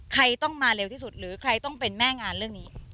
ใครต้องมาเร็วที่สุดหรือใครต้องเป็นแม่งานเรื่องนี้